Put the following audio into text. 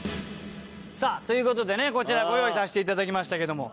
さあという事でねこちらご用意させて頂きましたけども。